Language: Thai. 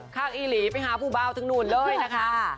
ข้างอีหลีไปหาผู้เบาถึงนู่นเลยนะคะ